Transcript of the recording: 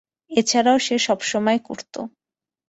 এছাড়াও, সে সবসময়ই করতো।